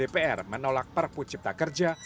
pr menolak parpu cipta kerja